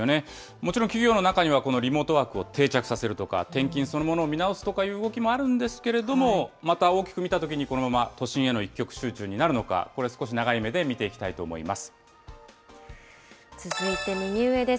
もちろん企業の中には、このリモートワークを定着させるとか、転勤そのものを見直すとかいう動きもあるんですけれども、また大きく見たときに、この都心への一極集中になるのか、これ、少し長い目で見ていきたい続いて、右上です。